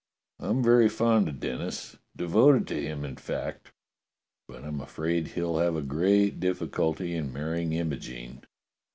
I'm very fond of Denis, devoted to him in fact, but I'm afraid he'll have a great difficulty in marrying Imogene."